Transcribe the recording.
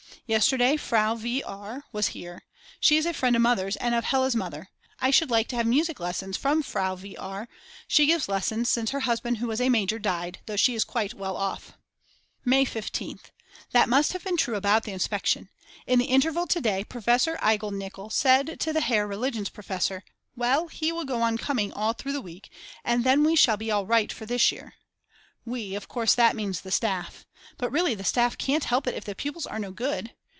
Yesterday Frau v. R. was here. She's a friend of Mother's and of Hella's mother. I should like to have music lessons from Frau v. R., she gives lessons since her husband who was a major died though she is quite well off. May 15th. That must have been true about the inspection; in the interval to day Professor Igel Nikel said to the Herr Religionsprofessor: Well, he will go on coming all through the week and then we shall be all right for this year. We, of course that means the staff. But really the staff can't help it if the pupils are no good.